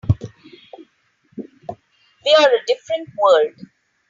We're a different world.